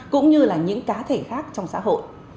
cũng như là những cá thể khác trong xã hội